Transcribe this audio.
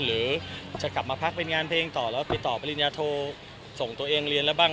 หรือจะกลับมาพักเป็นงานเพลงต่อแล้วติดต่อปริญญาโทส่งตัวเองเรียนแล้วบ้าง